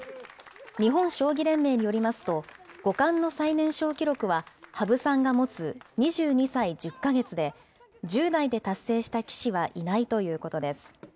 日本将棋連盟によりますと、五冠の最年少記録は羽生さんが持つ２２歳１０か月で、１０代で達成した棋士はいないということです。